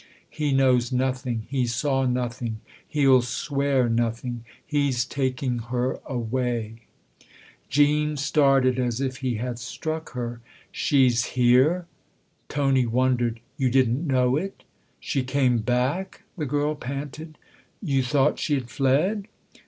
" He knows nothing he saw nothing he'll swear nothing. He's taking her away.'' 304 THE OTHER HOUSE Jean started as if he had struck her. "She's here?" . Tony wondered. " You didn't know it ?"" She came back ?" the girl panted. " You thought she had fled